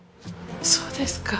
そうですか？